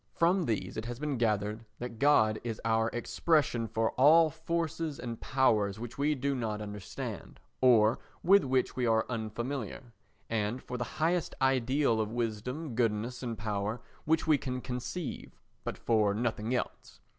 From these it has been gathered that God is our expression for all forces and powers which we do not understand, or with which we are unfamiliar, and for the highest ideal of wisdom, goodness and power which we can conceive, but for nothing else.